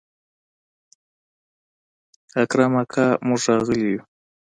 اکرم اکا موږ راغلي يو.